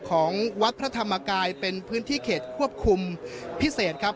ของวัดพระธรรมกายเป็นพื้นที่เขตควบคุมพิเศษครับ